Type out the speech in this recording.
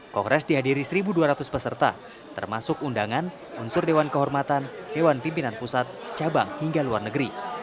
kongres dihadiri satu dua ratus peserta termasuk undangan unsur dewan kehormatan dewan pimpinan pusat cabang hingga luar negeri